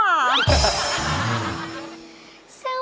ด้วยครับ